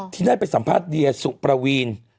ที่ได้ไปสัมภาษณ์เดียสุประวีน